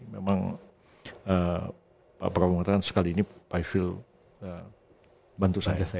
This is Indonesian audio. memang pak prabowo mengatakan sekali ini pak ifil bantu saja